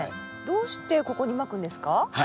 どうしてここにまくんですか？